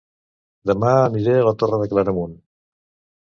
Dema aniré a La Torre de Claramunt